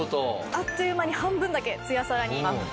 あっという間に半分だけツヤサラに。